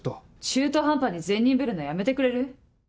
中途半端に善人ぶるのやめてくれる？